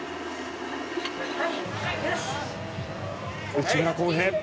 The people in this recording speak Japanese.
内村航平